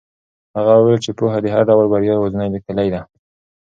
هغه وویل چې پوهه د هر ډول بریا یوازینۍ کیلي ده.